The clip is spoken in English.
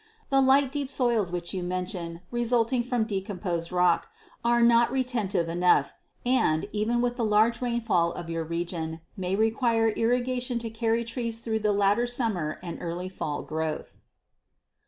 The light, deep soils which you mention, resulting from decomposed rock, are not retentive enough, and, even with the large rainfall of your region, may require irrigation to carry trees through the latter summer and early fall growth.